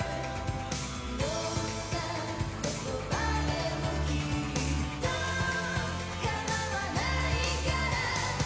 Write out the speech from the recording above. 「どんな言葉でもきっと構わないから」